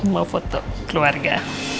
mau foto keluarga